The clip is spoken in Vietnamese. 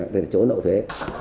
đây là chỗ nộ thuế